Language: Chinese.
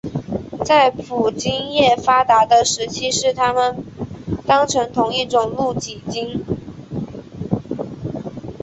在捕鲸业发达的时期是把它们当成同一种露脊鲸。